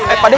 eh pak deh